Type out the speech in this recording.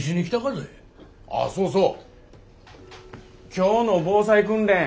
今日の防災訓練